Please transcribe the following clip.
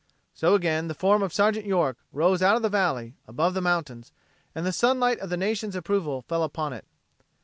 So again the form of Sergeant York rose out of the valley, above the mountains, and the sunlight of the nation's approval fell upon it.